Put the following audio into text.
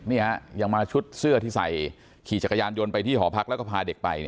ยังมาชุดเสื้อที่ใส่ขี่จักรยานยนต์ไปที่หอพักแล้วก็พาเด็กไป